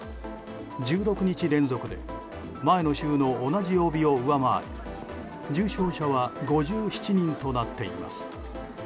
１６日連続で前の週の同じ曜日を上回り重症者は５７人となっています。